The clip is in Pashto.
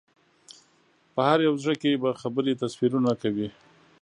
په هر یو زړه کې به خبرې تصویرونه کوي